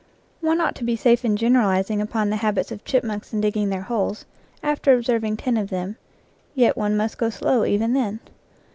One ought to be safe in generalizing upon the habits of chipmunks in digging their holes, after observing ten of them, yet one must go slow even then.